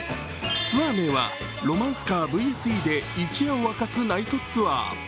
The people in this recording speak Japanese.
ツアー名は「ロマンスカー・ＶＳＥで一夜を明かすナイトツアー」。